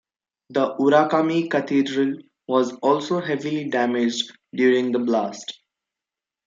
The Urakami Cathedral was also heavily damaged during the blast.